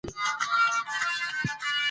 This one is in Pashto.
چې هر مذهب وائي ما بې ثبوته اومنه